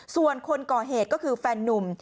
ส่วนคนก่อเหตุก็คือแฟนนุ่ม